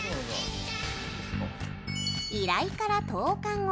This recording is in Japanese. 依頼から１０日後。